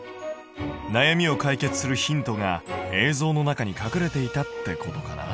なやみを解決するヒントが映像の中に隠れていたってことかな？